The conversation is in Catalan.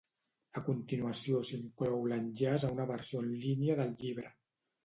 A continuació s'inclou l'enllaç a una versió en línia del llibre.